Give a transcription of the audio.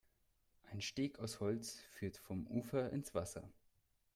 Ein Steg aus Holz führt vom Ufer ins Wasser.